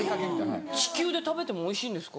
地球で食べてもおいしいんですか？